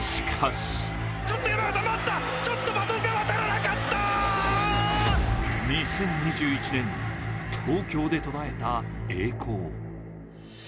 しかし２０２１年、東京で途絶えた栄光。